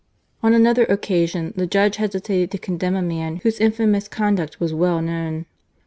On another occasion the judge hesitated to condemn a man whose infamous conduct was well known.